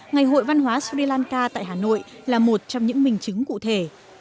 ngày hội văn hóa sri lanka tại hà nội là một trong những minh chứng cụ thể